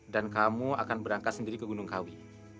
dan kamu akan berangkat sendiri ke gunungkawi